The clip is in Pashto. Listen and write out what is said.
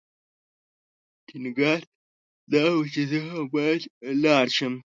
ټینګار یې دا و چې زه هم باید لاړ شم.